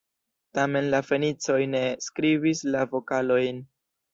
Tamen la Fenicoj ne skribis la vokalojn.